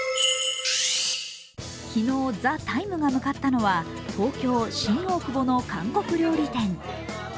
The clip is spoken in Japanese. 昨日、「ＴＨＥＴＩＭＥ，」が向かったのは東京・新大久保の韓国料理店。